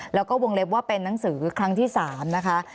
แล้วก็วงเล็บว่าเป็นนังสือครั้งที่๓นะคะ